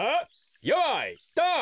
よいドン！